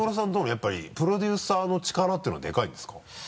やっぱりプロデューサーの力っていうのはでかいんですか？